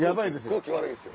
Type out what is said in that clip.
空気悪いですよ。